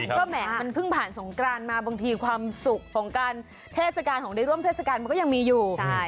เพราะแหมมันเพิ่งผ่านสงกรานมาบางทีความสุขของการเทศกาลของได้ร่วมเทศกาลมันก็ยังมีอยู่